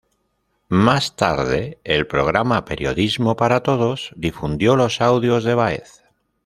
Más tarde, el programa Periodismo Para Todos difundió los audios de Baez.